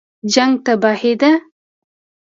جنګ تباهي ده